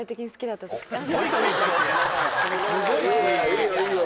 いいよいいよ。